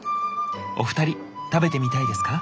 お二人食べてみたいですか？